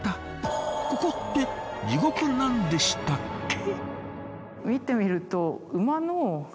ここって地獄なんでしたっけ？